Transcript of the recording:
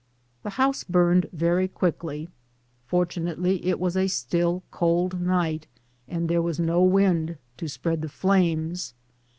The house burned very quickly. Fortu nately it was a still, cold night, and there was no wind to spread the flames.